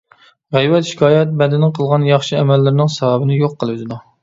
غەيۋەت-شىكايەت بەندىنىڭ قىلغان ياخشى ئەمەللىرىنىڭ ساۋابىنى يوق قىلىۋېتىدۇ.